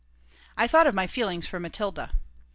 I thought of my feeling for Matilda.